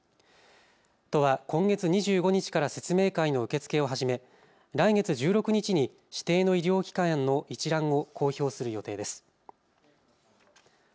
都は今月２５日から説明会の受け付けを始め来月１６日に指定の医療機関の一覧を公表する予定です。